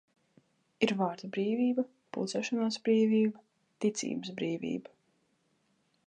Ir vārda brīvība, pulcēšanās brīvība, ticības brīvība.